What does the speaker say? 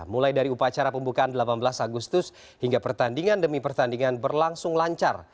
mulai dari upacara pembukaan delapan belas agustus hingga pertandingan demi pertandingan berlangsung lancar